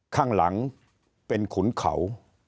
ข้างหลังเป็นขุนเขา